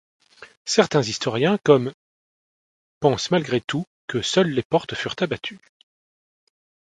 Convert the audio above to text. Certains historiens comme pensent malgré tout que seules les portes furent abattues.